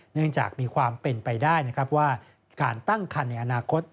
เนื่องจากมีความเป็นไปได้นะครับว่าการตั้งคันในอนาคต